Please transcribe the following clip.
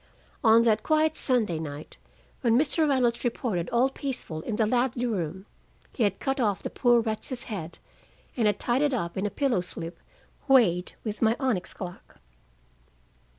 On that quiet Sunday night, when Mr. Reynolds reported all peaceful in the Ladley room, he had cut off the poor wretch's head and had tied it up in a pillow slip weighted with my onyx clock!